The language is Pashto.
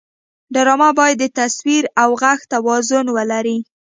ډرامه باید د تصویر او غږ توازن ولري